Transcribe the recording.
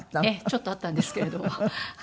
ちょっとあったんですけれどもはい。